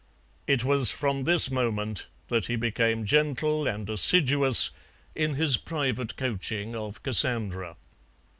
It was from this moment that he became gentle and assiduous in his private coaching of Cassandra.